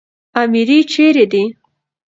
اميري چيري دئ؟